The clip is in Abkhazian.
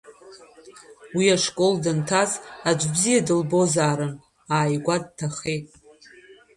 Уи, ашкол данҭаз, аӡә бзиа дылбозаарын, ааигәа дҭахеит.